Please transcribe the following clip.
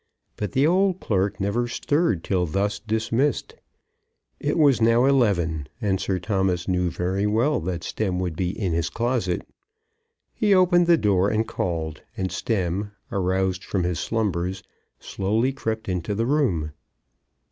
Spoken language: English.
But the old clerk never stirred till thus dismissed. It was now eleven, and Sir Thomas knew very well that Stemm would be in his closet. He opened the door and called, and Stemm, aroused from his slumbers, slowly crept into the room.